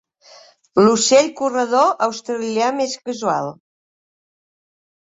L'ocell corredor australià més casual.